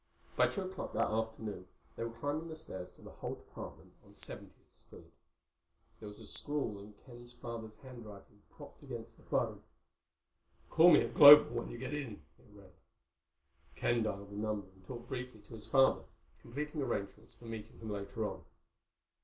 By two o'clock that afternoon they were climbing the stairs to the Holt apartment on Seventieth Street. There was a scrawl in Ken's father's handwriting propped against the phone. "Call me at Global when you get in," it read. Ken dialed the number and talked briefly to his father, completing arrangements for meeting him later on.